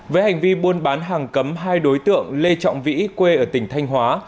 với hành vi buôn bán hàng cấm hai đối tượng lê trọng vĩ quê ở tỉnh thanh hóa